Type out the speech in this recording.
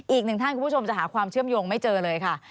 อีกหนึ่งท่านคุณผู้ชมจะหาความเชื่อมโยงไม่เจอเลยค่ะ